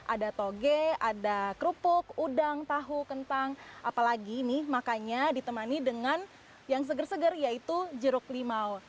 ada toge ada kerupuk udang tahu kentang apalagi mie makanya ditemani dengan yang segar segar yaitu jeruk limau